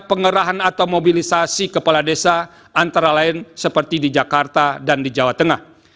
pengerahan atau mobilisasi kepala desa antara lain seperti di jakarta dan di jawa tengah